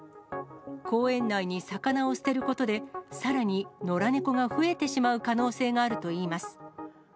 公園内に魚を捨てることで、さらに野良猫が増えてしまう可能性があるといいます。